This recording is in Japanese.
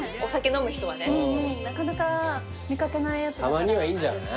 たまにはいいんじゃない？